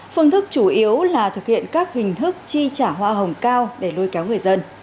phương thức chủ yếu là thực hiện các hình thức chi trả hoa hồng cao để lôi kéo người dân